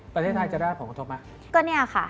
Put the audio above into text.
ประเทศไทยจะได้รับผลกระทบไหม